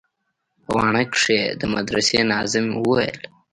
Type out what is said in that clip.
په واڼه کښې د مدرسې ناظم ويل.